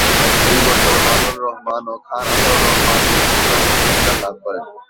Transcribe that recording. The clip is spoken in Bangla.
এই বছর বাদল রহমান ও খান আতাউর রহমান দুটি বিভাগে পুরস্কার লাভ করেন।